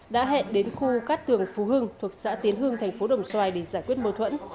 đã hẹn đến khu cát tường phú hưng thuộc xã tiến hưng thành phố đồng xoài để giải quyết mâu thuẫn